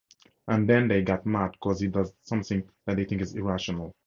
And then they got mad 'cos he does something that they think is irrational!